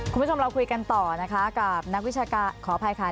คุณผู้ชมเราคุยกันต่อนะคะกับนักวิชาการขออภัยค่ะ